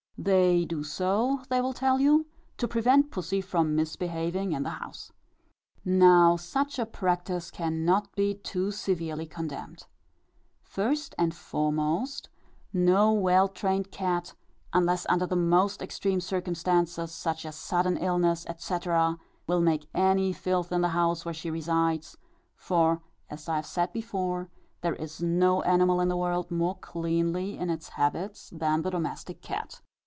They do so, they will tell you, to prevent pussy from misbehaving in the house. Now such a practice cannot be too severely condemned. First and foremost, no well trained cat, unless under the most extreme circumstances, such as sudden illness, etc., will make any filth in the house where she resides; for, as I have said before, there is no animal in the world more cleanly in its habits than the domestic cat.